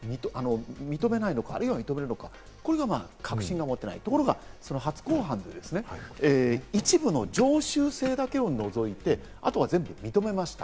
認めないのか、あるいは認めるのか、こういう確信が持てないところが初公判で一部の常習性だけを除いて、あとは全部、認めました。